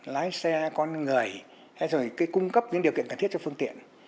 hãy rồi cung cấp những điều kiện cần thiết cho phương tiện